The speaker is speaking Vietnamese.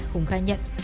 hùng khai nhận